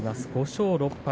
５勝６敗。